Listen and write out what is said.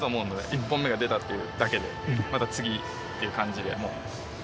１本目が出たっていうだけでまた次っていう感じでもう。